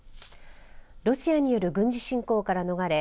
ロシアによる軍事侵攻から逃れ